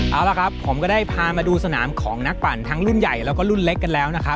เอาละครับผมก็ได้พามาดูสนามของนักปั่นทั้งรุ่นใหญ่แล้วก็รุ่นเล็กกันแล้วนะครับ